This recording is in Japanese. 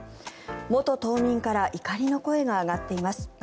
元島民から怒りの声が上がっています。